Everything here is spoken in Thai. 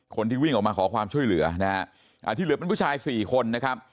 คนที่วิ่งออกมาขอความช่วยเหลือนะฮะอ่าที่เหลือเป็นผู้ชายสี่คนนะครับ